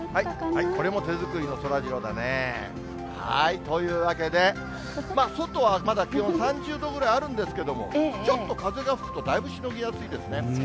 これも手作りのそらジローだね。というわけで、外はまだ気温３０度ぐらいあるんですけども、ちょっと風が吹くと、だいぶしのぎやすいですね。